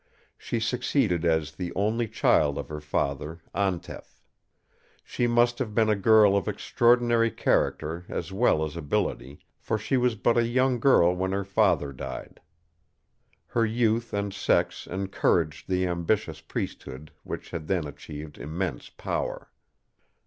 She succeeded as the only child of her father, Antef. She must have been a girl of extraordinary character as well as ability, for she was but a young girl when her father died. Her youth and sex encouraged the ambitious priesthood, which had then achieved immense power.